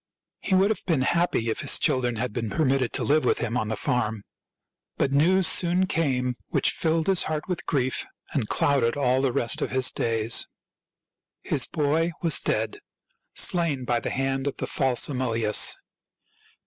He would have been happy if his chil dren had been permitted to live with him on the farm. But news soon came which filled his heart with grief and clouded all the rest of his days. HOW ROME WAS FOUNDED 179 His boy was dead, slain by the hand of the false Amulius.